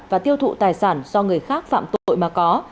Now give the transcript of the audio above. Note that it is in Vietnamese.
và tiêu thụ tài sản do người khác phạm tội mà có